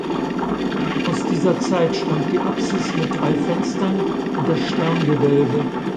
Aus dieser Zeit stammt die Apsis mit drei Fenstern und das Sterngewölbe.